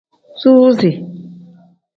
Suuzi.